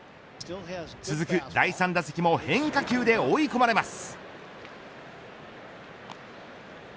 続く第３打席も変化球で追い込まれます。